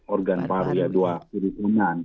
organ paru dua kiri unan